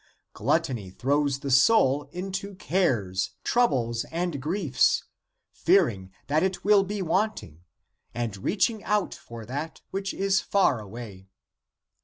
Glut tony throws the soul into cares, troubles and griefs, fearing that it will be wanting, and reaches out for that which is far away.